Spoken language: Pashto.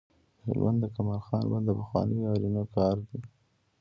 د هلمند د کمال خان بند د پخوانیو آرینو کار دی